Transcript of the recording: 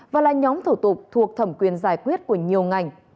và là nhóm thủ tục thuộc thẩm quyền giải quyết của nhiều ngành